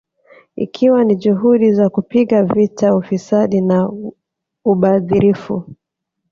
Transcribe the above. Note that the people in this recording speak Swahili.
Ikiwa ni juhudi za kupiga vita ufisadi na ubadhirifu